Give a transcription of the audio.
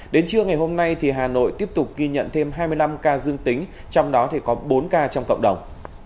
đến trưa ngày hôm nay hà nội tiếp tục ghi nhận thêm hai mươi năm ca dương tính trong đó có bốn ca trong cộng đồng